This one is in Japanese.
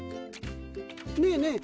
ねえねえ